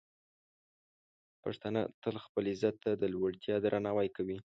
پښتانه تل خپل عزت ته د لوړتیا درناوی کوي.